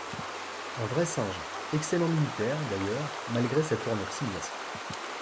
Un vrai singe, excellent militaire, d’ailleurs, malgré sa tournure simiesque.